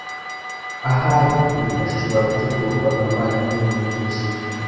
Ahari ibi birashobora gutegurwa kamana niwe wabivuze